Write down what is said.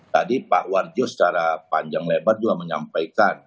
tadi pak warjo secara panjang lebar juga menyampaikan